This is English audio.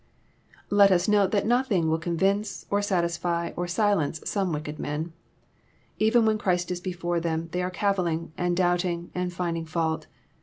277 Let US note that nothing will convince, or satisfy, or silence some wicked men. Even when Christ is before them, they are cavilling, and doubting, and finding fault.